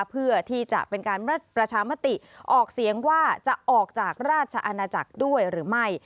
เพื่อที่จะเป็นการประชามติออกเสียงว่าจะออกจากราชอาณาจักรด้วยหรือไม่